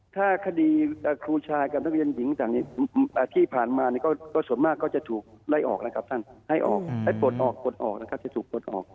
ถ้าคดีครูชายกับนักเรียนหญิงที่ผ่านมาก็ส่วนมากก็จะถูกไล่ออกแล้วครับท่านให้ออกให้ปลดออกปลดออกนะครับจะถูกปลดออก